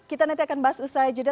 kita nanti akan bahas usai jeda